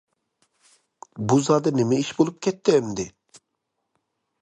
بۇ زادى نېمە ئىش بولۇپ كەتتى ئەمدى!